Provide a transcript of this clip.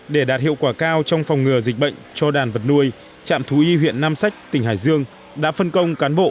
để đạt hiệu quả cao trong phòng ngừa dịch bệnh cho đàn vật nuôi trạm thú y huyện nam sách tỉnh hải dương đã phân công cán bộ